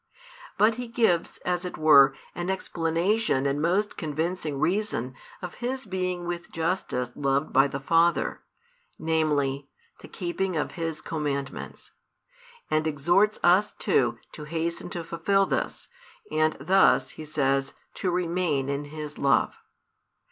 But He gives, as it were, an explanation and most convincing reason of His being with justice loved by the Father, namely, the keeping of His commandments; and exhorts us, too, to hasten to fulfil this, and thus, He says, to remain in His love.